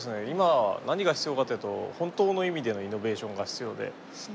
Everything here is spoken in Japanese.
今何が必要かというと本当の意味でのイノベーションが必要で。